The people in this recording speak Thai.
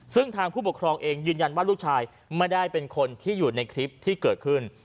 ซึ่งทางผู้ปกครองเองยืนยันว่าลูกชายไม่ได้เป็นคนที่อยู่ในคลิปที่เกิดขึ้น